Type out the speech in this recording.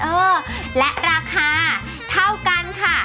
เออและราคาเท่ากันค่ะ